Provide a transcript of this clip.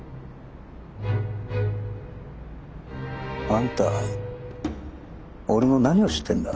あんた俺の何を知ってんだ？